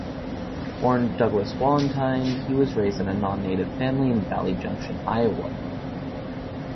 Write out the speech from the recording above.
Born Douglas Wallentine, he was raised in a non-Native family in Valley Junction, Iowa.